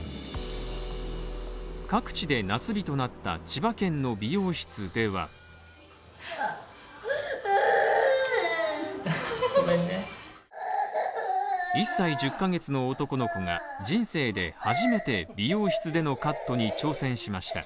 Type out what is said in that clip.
各地で夏日となった千葉県の美容室では１歳１０ヶ月の男の子が人生で初めて美容室でのカットに挑戦しました。